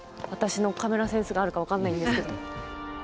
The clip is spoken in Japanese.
私のカメラセンスがあるか分かんないんですけど。